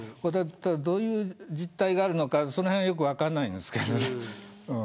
どういう実態があるのかそのへんはよく分かりませんけど。